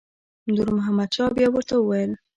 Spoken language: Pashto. نور محمد شاه بیا ورته وویل.